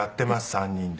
３人で。